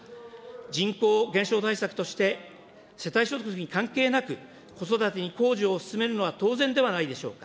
人口減少対策として、世帯所得に関係なく、子育てに公助を進めるのは当然ではないでしょうか。